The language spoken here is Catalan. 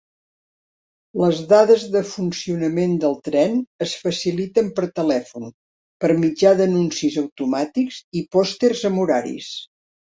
Les dades de funcionament del tren es faciliten per telèfon, per mitjà d'anuncis automàtics i pòsters amb horaris.